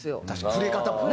触れ方も。